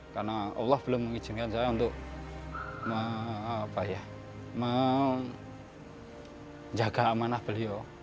karena allah belum mengizinkan saya untuk menjaga amanah beliau